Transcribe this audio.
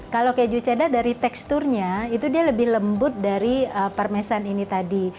kalau keju ceda dari teksturnya itu dia lebih lembut dari parmesan ini tadi